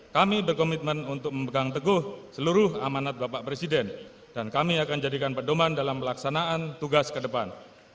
kami berkomitmen untuk memegang teguh seluruh amanat bapak presiden dan kami akan jadikan pedoman dalam pelaksanaan tugas ke depan